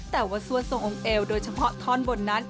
แต่ว่าซั่วทรงองค์เอวโดยเฉพาะท่อนบนนั้น